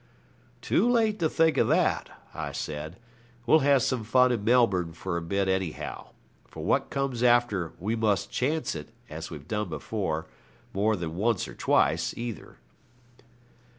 'Too late to think of that,' I said; 'we'll have some fun in Melbourne for a bit, anyhow. For what comes after we must "chance it", as we've done before, more than once or twice, either.'